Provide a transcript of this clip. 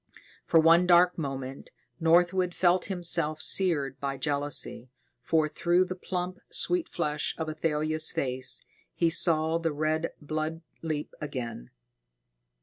For one dark moment, Northwood felt himself seared by jealousy, for, through the plump, sweet flesh of Athalia's face, he saw the red blood leap again.